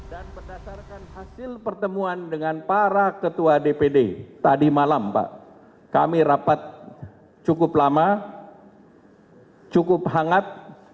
dan berdasarkan hasil pertemuan dengan para ketua dpd tadi malam pak kami rapat cukup lama cukup hangat